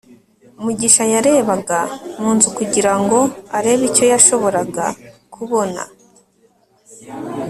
mugisha yarebaga mu nzu kugira ngo arebe icyo yashoboraga kubona